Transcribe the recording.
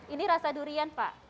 ini rasa durian pak